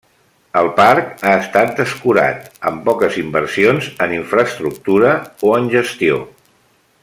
El parc ha estat descurat, amb poques inversions en infraestructura o en gestió.